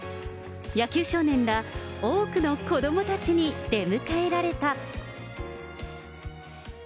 野球少年ら多くの子どもたちに出迎えられた。